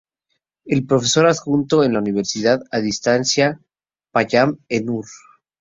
Es profesor adjunto en la universidad a distancia Payam-e Nur.